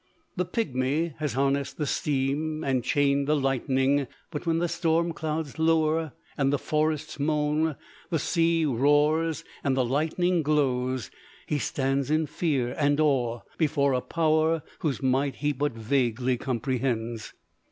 The pigmy has harnessed the steam and chained the lightning: but when the storm clouds lower and the forests moan, the sea roars and the lightning glows, he stands in fear and awe before a power whose might he but vaguely comprehends.